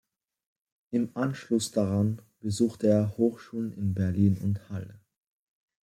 Im Anschluss daran besuchte er Hochschulen in Berlin und Halle.